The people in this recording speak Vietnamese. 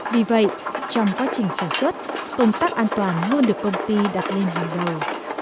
vì vậy trong quá trình sản xuất công tác an toàn luôn được công ty đặt lên hàng đầu